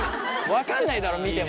分かんないだろ見ても。